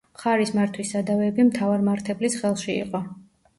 მხარის მართვის სადავეები მთავარმართებლის ხელში იყო.